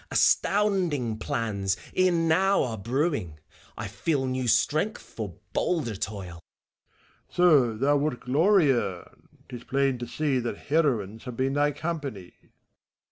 Astounding plans e'en now are brewing: I feel new strength for bolder toil. MEPHISTOPHELES. So, thou wilt Glory earn T 'T is plain to see That heroines have been thy company.